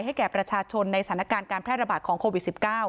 แก่ประชาชนในสถานการณ์การแพร่ระบาดของโควิด๑๙